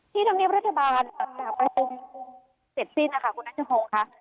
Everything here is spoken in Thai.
ที่ธรรมเนียมรัฐบาลเสร็จสิ้นนะคะคุณนักชะโพงค่ะ